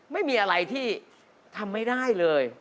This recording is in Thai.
ไม่มีอะไรที่ทำไม่ได้เลย